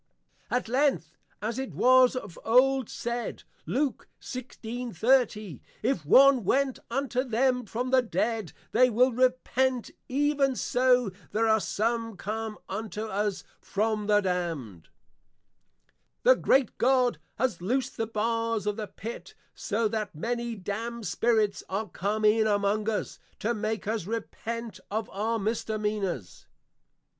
At length, as it was of old said, Luke 16.30. If one went unto them from the dead, they will repent; even so, there are some come unto us from the Damned. The great God has loosed the Bars of the Pit, so that many damned Spirits are come in among us, to make us repent of our Misdemeanours.